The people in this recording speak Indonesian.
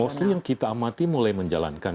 mostly yang kita amati mulai menjalankan